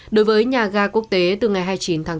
đối với nhà ga quốc tế từ ngày hai mươi chín tháng bốn